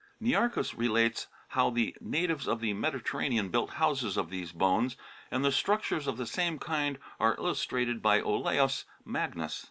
Nearchus relates how the natives of the Mediterranean built houses of these bones, and structures of the same kind are illustrated by Olaus Magnus.